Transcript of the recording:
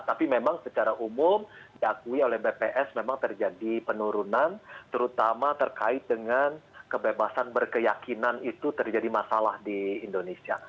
tapi memang secara umum diakui oleh bps memang terjadi penurunan terutama terkait dengan kebebasan berkeyakinan itu terjadi masalah di indonesia